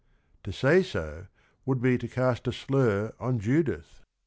To say so would be to cast a slur on Judith.